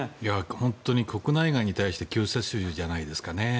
本当に国内外に対して救世主じゃないですかね。